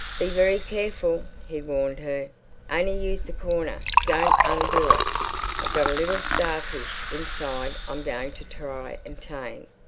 "Be very careful," he warned her. "Only use that corner. Don't undo it. I've got a little starfish inside I'm going to try and tame."